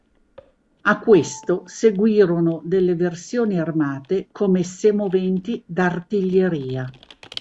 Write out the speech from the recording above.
A questo seguirono delle versioni armate come semoventi d'artiglieria.